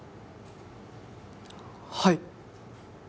はい！